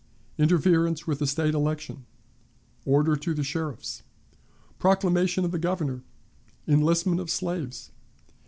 Interference with the State Election. Order to the Sheriffs. Proclamation of the Governor. Enlistment of Slaves.